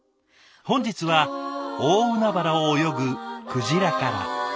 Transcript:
本日は大海原を泳ぐ鯨から。